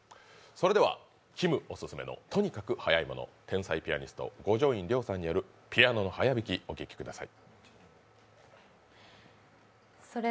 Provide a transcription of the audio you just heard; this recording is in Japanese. それではきむオススメのとにかくはやいもの、天才ピアニスト、五条院凌さんによるピアノの速弾きをお聴きください。